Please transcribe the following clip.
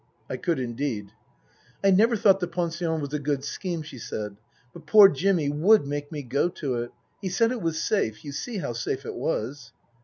I could indeed. " I never thought the pension was a good scheme," she said ;" but poor Jimmy would make me go to it. He said it was safe. You see how safe it was."